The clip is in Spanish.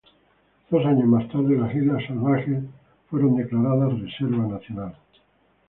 Dos años más tarde, las Islas Salvajes fueron declaradas como Reserva Nacional.